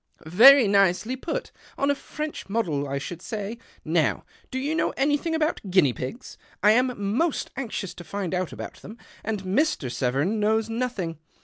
" Very nicely put. On a French model, " should say. Now, do you know anything ibout guinea pigs ? I am most anxious to ind out about them, and Mr. Severn knows lothing.